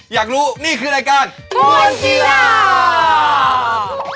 อยากรู้นี่คือรายการทวนกีฬา